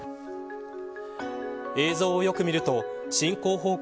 映像をよく見ると進行方向